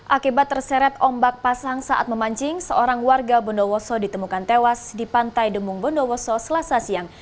akibat terseret ombak pasang saat memancing seorang warga bondowoso ditemukan tewas di pantai demung bondowoso selasa siang